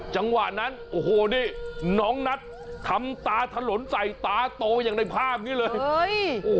จังหวะนั้นโอ้โหนี่น้องนัททำตาถลนใส่ตาโตอย่างในภาพนี้เลย